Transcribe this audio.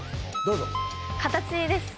どうぞ。